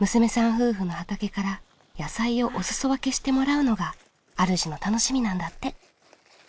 夫婦の畑から野菜をおすそ分けしてもらうのがあるじの楽しみなんだって。